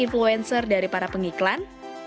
influencer dari para pengiklan